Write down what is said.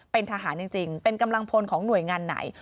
เป็นทหารจริงเป็นกำลังพลของหน่วยงานไหน